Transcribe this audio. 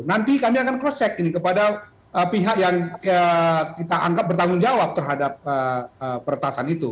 nanti kami akan cross check ini kepada pihak yang kita anggap bertanggung jawab terhadap pertasan itu